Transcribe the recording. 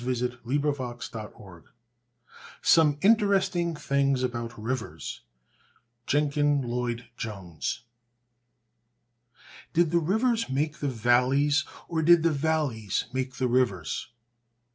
[Illustration: Page decoration] WATER SOME INTERESTING THINGS ABOUT RIVERS. JENKIN LLOYD JONES. Did the rivers make the valleys or did the valleys make the rivers?